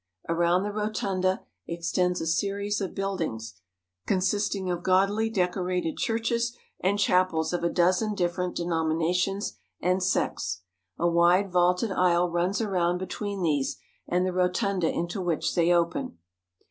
Around the rotunda extends a series of buildings, consisting of gaudily decorated churches and chapels of a dozen different denominations and sects. A wide vaulted aisle runs around between these and the rotunda into which they open.